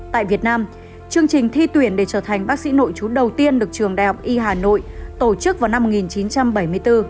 tại việt nam chương trình thi tuyển để trở thành bác sĩ nội chú đầu tiên được trường đại học y hà nội tổ chức vào năm một nghìn chín trăm bảy mươi bốn